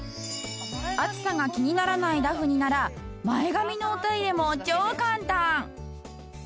熱さが気にならないダフニなら前髪のお手入れも超簡単！